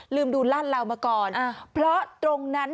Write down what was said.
ลืมดูลาดเหลามาก่อนเพราะตรงนั้น